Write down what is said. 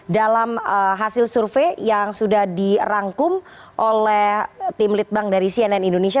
dalam hasil survei yang sudah dirangkum oleh tim litbang dari cnn indonesia